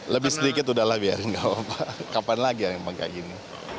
lebih sedikit udahlah biar gak apa apa kapan lagi yang pakai gini